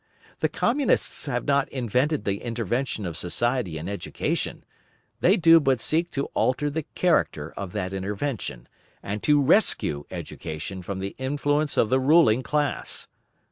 The Communists have not invented the intervention of society in education; they do but seek to alter the character of that intervention, and to rescue education from the influence of the ruling class.